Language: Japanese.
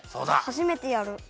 はじめてやる。